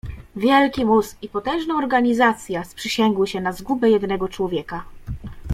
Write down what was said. "Wielki mózg i potężna organizacja sprzysięgły się na zgubę jednego człowieka."